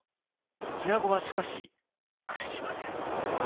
日名子はしかし屈しません。